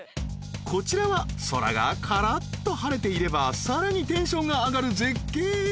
［こちらは空がからっと晴れていればさらにテンションが上がる絶景エリア］